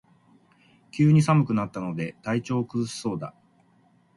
急に寒くなったので体調を崩しそうだ